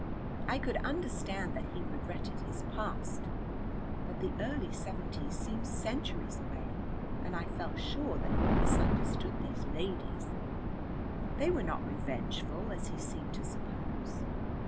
I could understand that he regretted his past, but the early seventies seemed centuries away and I felt sure that he misunderstood these ladies, they were not revengeful as he seemed to suppose.